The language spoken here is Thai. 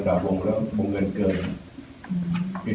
เพราะว่าเราเฟิร์ส๓โมงเกิน๓โมงแล้วมันเกินเกิน